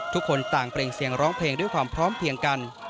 ทุกคนต่างเปล่งเสียงร้องเพลงด้วยความพร้อมเพียงกัน